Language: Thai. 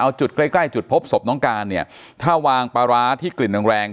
เอาจุดใกล้ใกล้จุดพบศพน้องการเนี่ยถ้าวางปลาร้าที่กลิ่นแรงแรง